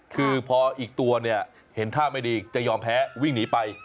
คือพออีกตัวเนี่ยเห็นท่าไม่ดีจะยอมแพ้วิ่งหนีไป